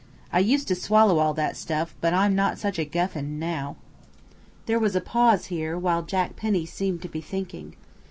I used to swallow all that stuff, but I'm not such a guffin now." There was a pause here, while Jack Penny seemed to be thinking.